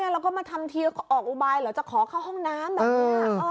แล้วก็มาทำทีออกอุบายเหรอจะขอเข้าห้องน้ำแบบนี้